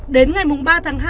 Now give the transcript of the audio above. đến ngày ba tháng hai